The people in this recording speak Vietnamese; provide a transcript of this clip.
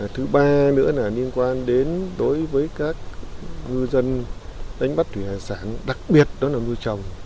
thứ ba nữa là liên quan đến đối với các ngư dân đánh bắt thủy hải sản đặc biệt đó là nuôi trồng